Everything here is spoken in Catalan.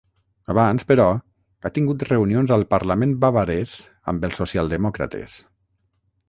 Abans, però, ha tingut reunions al parlament bavarès amb els socialdemòcrates.